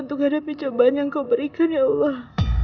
untuk hadapi cobaan yang kau berikan ya allah